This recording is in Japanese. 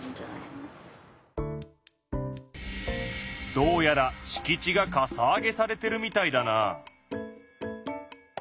どうやらしき地がかさ上げされてるみたいだな。